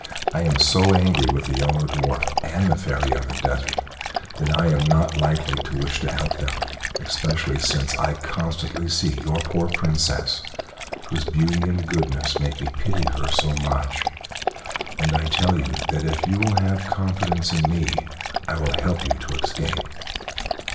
I am so angry with the Yellow Dwarf and the Fairy of the Desert that I am not likely to wish to help them, especially since I constantly see your poor Princess, whose beauty and goodness make me pity her so much; and I tell you that if you will have confidence in me I will help you to escape."